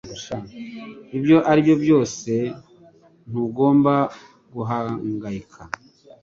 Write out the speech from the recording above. Ibyo ari byo byose ntugomba guhangayika